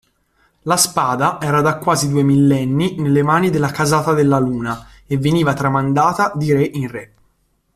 La spada era da quasi due millenni nelle mani della casata Della Luna e veniva tramandata di re in re.